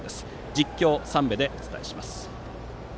実況、三瓶でお伝えします。